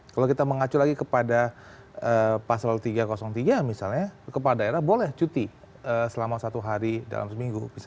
kalau kita mengacu lagi kepada pasal tiga ratus tiga misalnya kepala daerah boleh cuti selama satu hari dalam seminggu